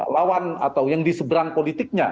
lawan atau yang diseberang politiknya